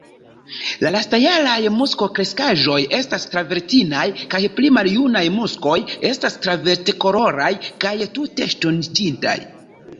La lastjaraj muskokreskaĵoj estas travertinaj, kaj pli maljunaj muskoj estas flavetkoloraj kaj tute ŝtoniĝintaj.